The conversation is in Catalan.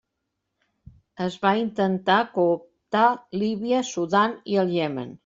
Es va intentar cooptar Líbia, Sudan i el Iemen.